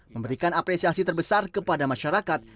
memberikan apresiasi terbesar kepada masyarakat